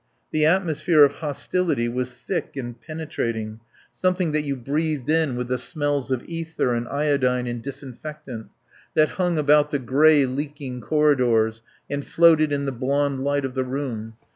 The atmosphere of hostility was thick and penetrating, something that you breathed in with the smells of ether and iodine and disinfectant, that hung about the grey, leeking corridors and floated in the blond light of the room.